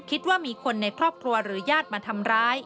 คิดว่ามีคนในครอบครัวหรือญาติมาทำร้าย